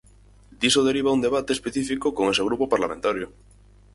Diso deriva un debate específico con ese grupo parlamentario.